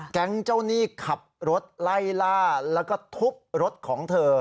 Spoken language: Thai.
แก๊งเจ้าหนี้ขับรถไล่ล่าแล้วก็ทุบรถของเธอ